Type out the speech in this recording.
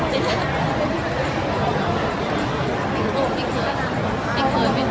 ช่องความหล่อของพี่ต้องการอันนี้นะครับ